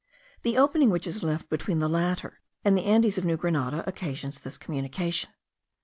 The opening which is left between the latter and the Andes of New Grenada, occasions this communication.